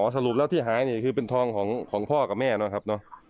สรุปแล้วที่หายนี่คือเป็นทองของพ่อกับแม่นะครับ